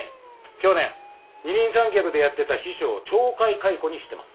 去年二人三脚でやってた秘書を懲戒解雇にしてます。